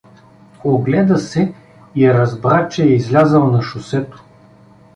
Огледа се и разбра, че е излязъл на шосето.